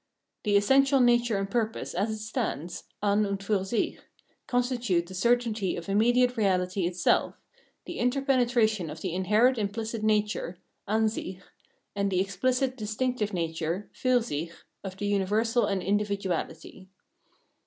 The essential nature and purpose as it stands {an und fur sich) constitute the certainty of immediate reahty itself, the interpenetration of the inherent im phcit nature (ansich), and the exphcit distinctive nature {fur sich), of the universal and individuahty.